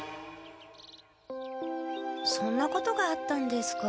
そんなことがあったんですか。